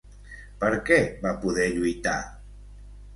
Per què va poder lluitar?